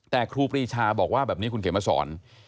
แต่ครูปรีชาบอกว่าแบบนี้คุณเขมสอน